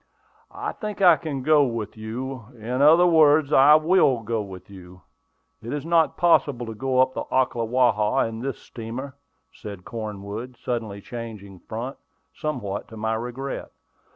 "I think I can go with you; in other words, I will go with you. It is not possible to go up the Ocklawaha in this steamer," said Cornwood, suddenly changing front, somewhat to my regret.